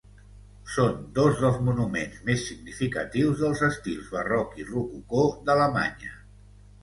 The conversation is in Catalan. Són dos dels monuments més significatius dels estils barroc i rococó d'Alemanya.